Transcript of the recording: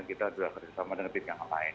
kita sudah kerjasama dengan tim yang lain